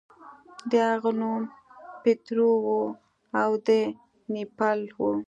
د هغه نوم پیټرو و او د نیپل و.